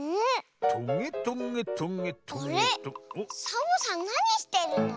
サボさんなにしてるの？